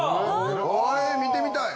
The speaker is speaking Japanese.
見てみたい。